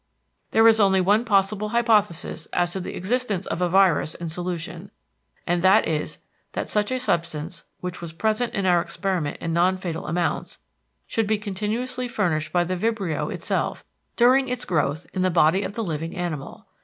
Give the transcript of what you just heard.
There is only one possible hypothesis as to the existence of a virus in solution, and that is that such a substance, which was present in our experiment in non fatal amounts, should be continuously furnished by the vibrio itself, during its growth in the body of the living animal.